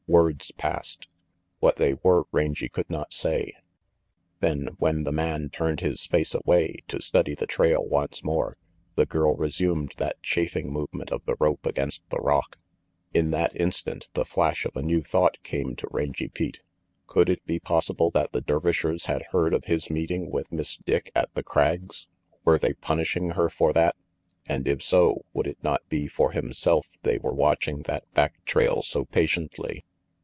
Words passed, What they were, Rangy could not say; then when the man turned his face away, to study the trail once more, the girl resumed that chafing movement of the rope against the rock. In that instant, the flash of a new thought came to Rangy Pete. Could it be possible that the Der vishers had heard of his meeting with Miss Dick at The Crags? Were they punishing her for that; and if so, would it not be for himself they were watching that back trail so patiently?